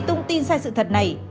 tung tin sai sự thật này